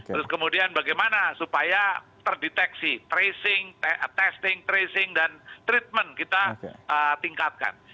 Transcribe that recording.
terus kemudian bagaimana supaya terdeteksi tracing testing tracing dan treatment kita tingkatkan